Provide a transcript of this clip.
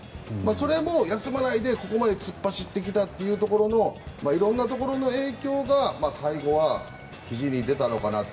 それも休まないでここまで突っ走ってきたというところの色んなところの影響が最後はひじに出たのかなと。